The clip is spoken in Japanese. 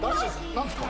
何ですか？